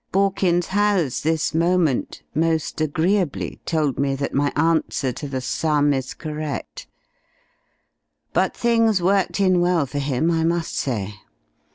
Borkins has, this moment, most agreeably told me that my answer to the sum is correct. But things worked in well for him, I must say.